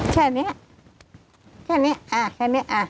แค่นี้แค่นี้อ่ะแค่นี้อ่ะ